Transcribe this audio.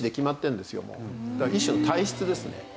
だから一種の体質ですね。